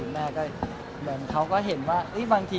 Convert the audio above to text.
แม่ก็เห็นว่า